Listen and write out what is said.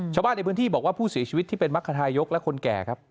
ชาวบ้านในพื้นที่บอกว่าผู้เสียชีวิตที่เป็นมรรคทายกและคนแก่ครับ